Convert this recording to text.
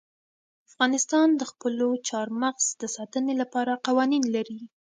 افغانستان د خپلو چار مغز د ساتنې لپاره قوانین لري.